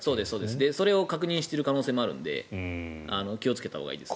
それを確認している可能性もあるので気をつけたほうがいいですね。